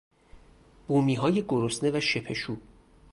بومیهای گرسنه و شپشو